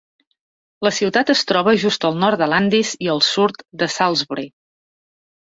La ciutat es troba just al nord de Landis i al sud de Salisbury.